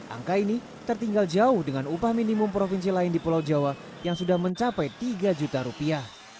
angka ini tertinggal jauh dengan upah minimum provinsi lain di pulau jawa yang sudah mencapai tiga juta rupiah